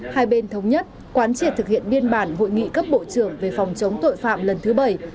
hai bên thống nhất quán triệt thực hiện biên bản hội nghị cấp bộ trưởng về phòng chống tội phạm lần thứ bảy